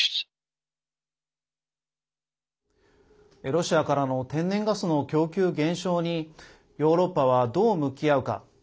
ロシアからの天然ガスの供給減少にヨーロッパは、どう向き合うか。